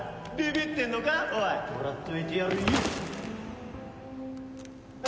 もらっといてやるよ！